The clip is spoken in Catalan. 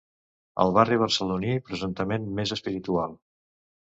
El barri barceloní presumptament més espiritual.